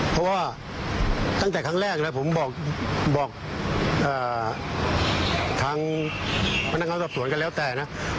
เพราะว่าตั้งแต่ครั้งแรกแล้วผมบอกทางพนักงานสอบสวนก็แล้วแต่นะ